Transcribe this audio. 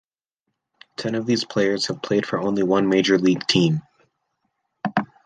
Ten of these players have played for only one major league team.